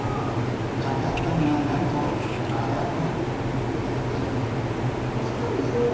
かかったのはなんとマダコ！